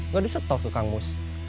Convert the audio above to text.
gak disetor ke kangus